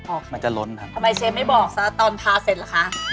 มันจะล้นครับทำไมเชฟไม่บอกซะตอนทาเสร็จล่ะคะ